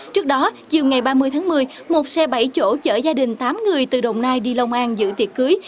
trước đó chiều ngày ba mươi tháng một mươi một xe bảy chỗ chở gia đình tám người từ đồng nai đi lông an giữ tiệc cưới